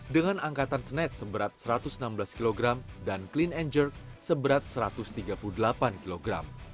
dengan angkatan snatch seberat satu ratus enam belas kg dan clean and jerk seberat satu ratus tiga puluh delapan kg